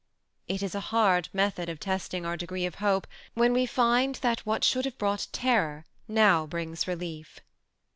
It is a hard method of testing our degree of hope when we find that what should have brought terror now brings relief.